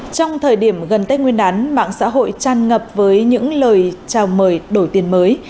trong thời điểm gần tết nguyên đán mạng xã hội tràn ngập với những lời chào mời đổi tiền mới